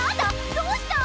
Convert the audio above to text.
どうした！？